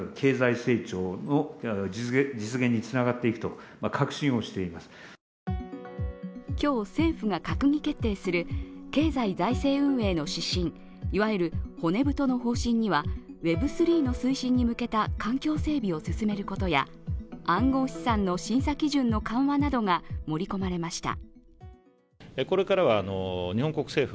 こうした働きかけに総理も今日、政府が閣議決定する経済財政運営の指針、いわゆる骨太の方針にはＷｅｂ３．０の推進に向けた環境整備を進めることや暗号資産の審査基準の緩和などが盛り込まれました。